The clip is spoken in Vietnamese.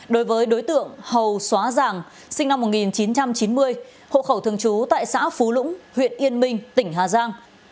đối với đối tượng hầu xóa giảng sinh năm một nghìn chín trăm chín mươi hộ khẩu thường trú tại xã phú lũng huyện yên minh tỉnh hà giang